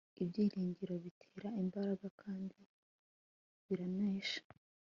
ibyiringiro, bitera imbaraga, kandi biranesha